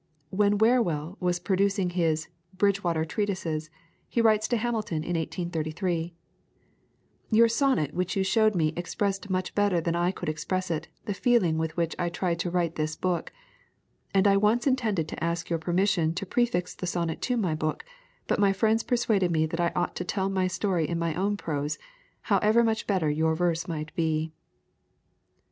When Whewell was producing his "Bridgewater Treatises," he writes to Hamilton in 1833: "Your sonnet which you showed me expressed much better than I could express it the feeling with which I tried to write this book, and I once intended to ask your permission to prefix the sonnet to my book, but my friends persuaded me that I ought to tell my story in my own prose, however much better your verse might be."